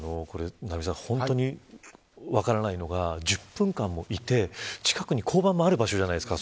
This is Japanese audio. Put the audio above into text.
本当に分からないのが１０分間もいて近くに交番もある場所じゃないですか。